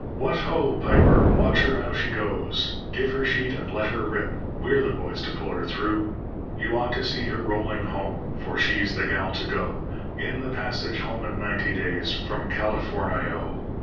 What ho, Piper! watch her how she goes! Give her sheet and let her rip. We're the boys to pull her through. You ought to see her rolling home; For she's the gal to go In the passage home in ninety days From Cal i for ni o!